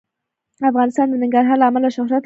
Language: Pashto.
افغانستان د ننګرهار له امله شهرت لري.